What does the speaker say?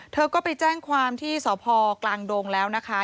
เธอก็ไปแจ้งความที่สพกลางดงแล้วนะคะ